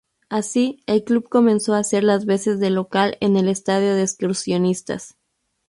Así el club comenzó hacer las veces de local en el estadio de Excursionistas.